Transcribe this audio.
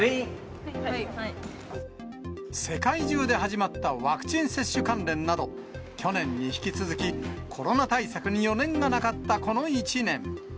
世界中で始まったワクチン接種関連など、去年に引き続き、コロナ対策に余念がなかったこの１年。